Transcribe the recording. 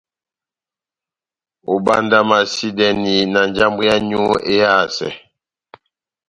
Óbandamasidɛni na njambwɛ yáwu éhásɛ.